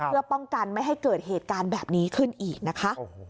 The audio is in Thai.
เพื่อป้องกันไม่ให้เกิดเหตุการณ์แบบนี้ขึ้นอีกนะคะ